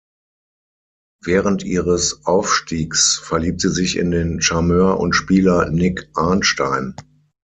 Während ihres Aufstiegs verliebt sie sich in den Charmeur und Spieler Nick Arnstein.